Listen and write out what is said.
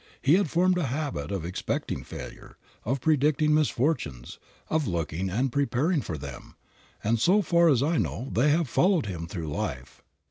He had formed a habit of expecting failure, of predicting misfortunes, of looking and preparing for them, and so far as I know they have followed him through life.